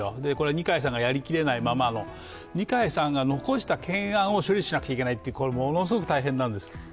二階さんがやりきれないまま二階さんが残した懸案を処理しなくちゃいけない、これはものすごく大変なんです。